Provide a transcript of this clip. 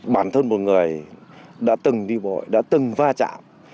bản thân một người đã từng đi bộ đã từng va chạm